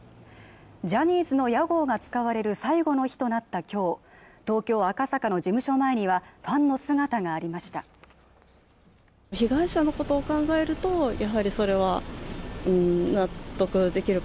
ジャニーズの屋号が使われる最後の日となったきょう東京・赤坂の事務所前にはファンの姿がありました一方、今日で営業を終えるジャニーズショップ